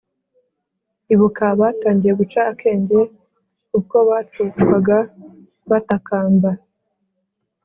Ibuka abatangiye guca akenge Uko bacocwaga batakamba